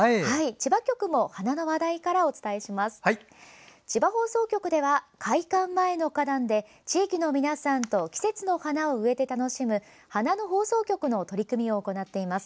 千葉放送局では、会館前の花壇で地域の皆さんと季節の花を植えて楽しむ花の放送局の取り組みを行っています。